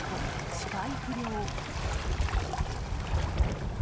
視界不良。